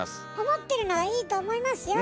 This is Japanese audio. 思ってるのはいいと思いますよ。